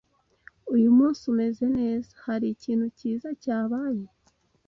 Uyu munsi umeze neza. Hari ikintu cyiza cyabaye?